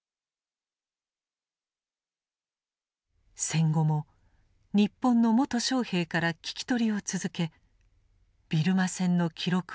戦後も日本の元将兵から聞き取りを続けビルマ戦の記録を書き残した。